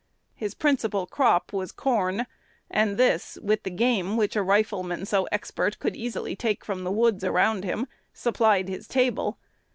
His principal crop was corn; and this, with the game which a rifleman so expert would easily take from the woods around him, supplied his table.